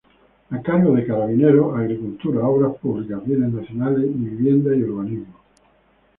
A cargo de Carabineros: Agricultura, Obras Públicas, Bienes Nacionales y Vivienda y Urbanismo.